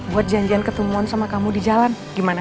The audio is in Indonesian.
buat janjian ketemuan sama kamu di jalan gimana